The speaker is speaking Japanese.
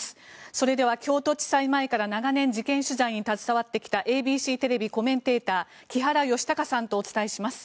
それでは京都地裁前から長年事件取材に携わってきたＡＢＣテレビコメンテーター木原善隆さんとお伝えします。